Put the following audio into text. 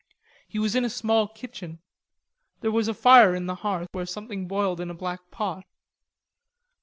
He was in a small kitchen. There was a fire in the hearth where something boiled in a black pot.